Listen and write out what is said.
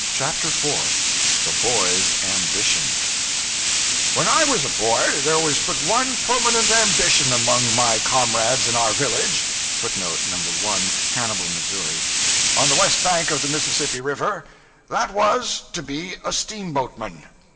CHAPTER 4 The Boys' Ambition WHEN I was a boy, there was but one permanent ambition among my comrades in our village {footnote [1. Hannibal, Missouri]} on the west bank of the Mississippi River. That was, to be a steamboatman.